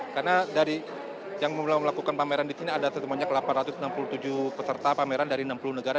karena dari yang melakukan pameran di sini ada sesungguhnya delapan ratus enam puluh tujuh peserta pameran dari enam puluh negara